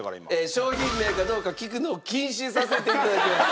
商品名かどうか聞くのを禁止させて頂きます。